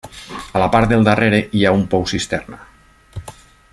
A la part del darrere hi ha un pou-cisterna.